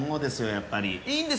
やっぱり。